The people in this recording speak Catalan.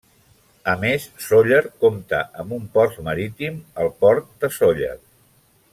A més, Sóller compta amb un port marítim, el port de Sóller.